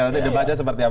nanti dibaca seperti apa